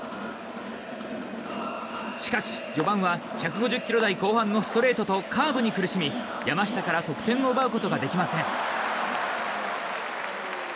しかし、序盤は１５０キロ台後半のストレートとカーブに苦しみ、山下から得点を奪うことができません。